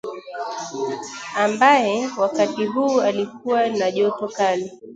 ambaye wakati huu alikuwa na joto kali